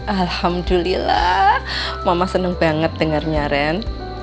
alhamdulillah mama senang banget dengarnya ren